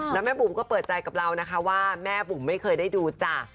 แล้วแม่บุ๋มก็เปิดใจกับเรานะคะว่าแม่บุ๋มไม่เคยได้ดูจ้ะ